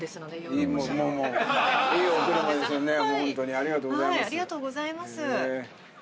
ありがとうございます。